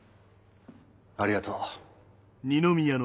ありがとう。